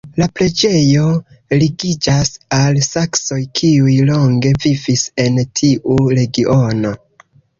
La preĝejo ligiĝas al saksoj, kiuj longe vivis en tiu regiono.